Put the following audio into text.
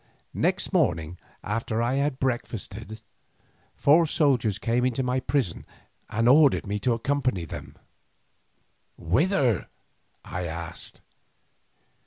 Next morning after I had breakfasted, four soldiers came into my prison and ordered me to accompany them. "Whither?" I asked.